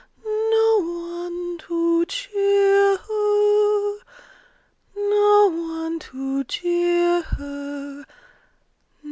No one to cheer her! No one to jeer her!